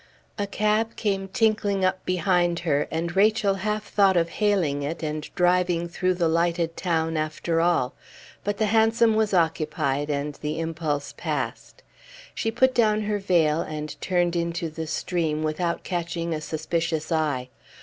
A cab came tinkling up behind her, and Rachel half thought of hailing it, and driving through the lighted town after all; but the hansom was occupied, and the impulse passed. She put down her veil and turned into the stream without catching a suspicious eye.